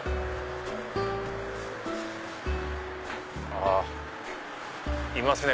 あいますね